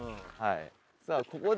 さあここで。